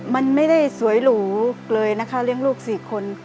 มันไม่ได้สวยหรูเลยนะคะเลี้ยงลูก๔คน